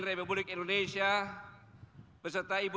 karena bawa trisno berserta ibu